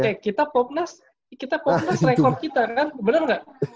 oke kita popnas kita popnas rekor kita kan bener nggak